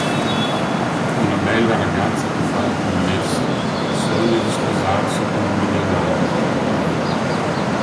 Una bella ragazza che fa la commessa sogna di sposarsi con un milionario.